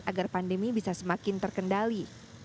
agar pandemi bisa semakin terkendali